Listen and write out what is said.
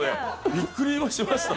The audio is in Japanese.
びっくりしました。